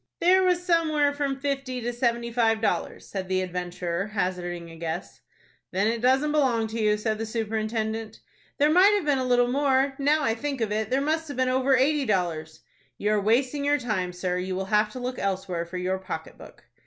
"There was somewhere from fifty to seventy five dollars," said the adventurer, hazarding a guess. "Then it doesn't belong to you," said the superintendent. "There might have been a little more. Now I think of it, there must have been over eighty dollars." "You are wasting your time, sir; you will have to look elsewhere for your pocket book."